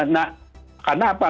nah karena apa